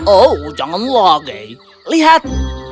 oh jangan lagi lihat